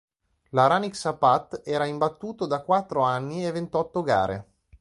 L'Aranycsapat era imbattuto da quattro anni e ventotto gare.